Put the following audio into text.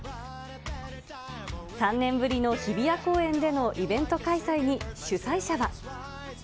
３年ぶりの日比谷公園でのイベント開催に、主催者は。